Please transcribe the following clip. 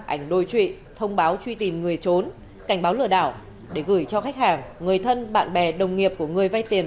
ảnh đối trụy thông báo truy tìm người trốn cảnh báo lừa đảo để gửi cho khách hàng người thân bạn bè đồng nghiệp của người vay tiền